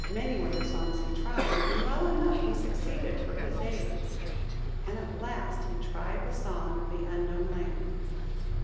Many were the songs he tried, and well enough he succeeded for his age, and at last he tried the song of the Unknown Land.